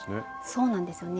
そうなんですよね。